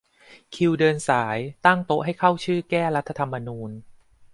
คิวเดินสายตั้งโต๊ะให้เข้าชื่อ แก้รัฐธรรมนูญ